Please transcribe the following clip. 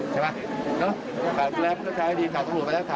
อาจจะเสพยาบ้าง